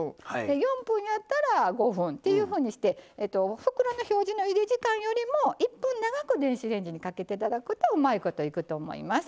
４分やったら５分っていうふうにして袋の表示のゆで時間よりも１分長く電子レンジにかけていただくとうまいこといくと思います。